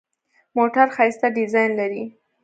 موټر ښایسته ډیزاین لري.